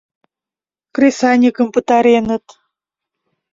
Кресаньыкым пытареныт.